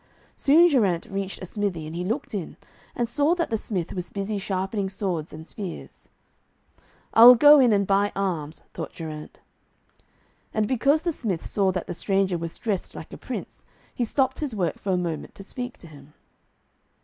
Soon Geraint reached a smithy, and he looked in, and saw that the smith was busy sharpening swords and spears. 'I will go in and buy arms,' thought Geraint. And because the smith saw that the stranger was dressed like a Prince, he stopped his work for a moment to speak to him.